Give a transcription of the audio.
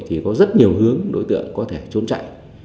thì có rất nhiều hướng đối tượng có thể trốn chạy